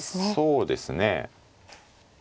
そうですね。